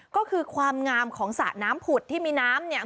ก็คือความงามของสระน้ำผุดที่มีน้ำเนี่ย